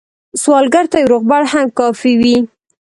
سوالګر ته یو روغبړ هم کافي وي